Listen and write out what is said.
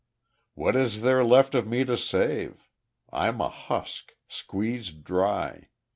"What is there left of me to save? I'm a husk squeezed dry.